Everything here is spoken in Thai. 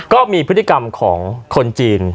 ก็มีพฤติกรรมของคนจีน